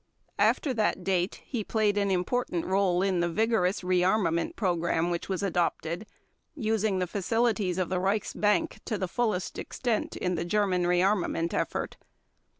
After that date he played an important role in the vigorous rearmament program which was adopted, using the facilities of the Reichsbank to the fullest extent in the German rearmament effort.